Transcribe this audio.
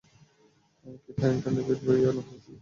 Kit Harington এবং David Bowie অনুপস্থিত ছিলেন।